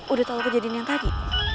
udah tahu kejadian yang tadi